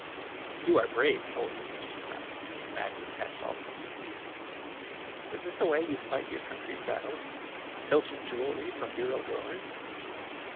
" You are brave soldiers !" she cried, maddened past all sense of fear. '' Is this the way you fight your coun try's battles, — filching jewelry from bureau drawers?"